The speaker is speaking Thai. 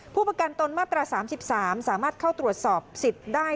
ผู้ประกันตนมาตรา๓๓สามารถเข้าตรวจสอบสิทธิ์ได้